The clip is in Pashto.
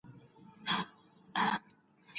د پانګوني لپاره اسانتیاوې برابرې سوې وې.